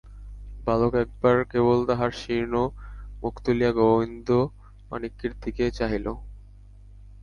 বালক একবার কেবল তাহার শীর্ণ মুখ তুলিয়া গোবিন্দমাণিক্যের দিকে চাহিল।